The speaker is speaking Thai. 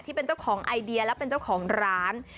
ที่เป็นเจ้าของไอเดียและเป็นเจ้าของร้าน